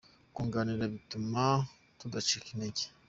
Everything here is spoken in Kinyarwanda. kunganirana bituma tudacika intege.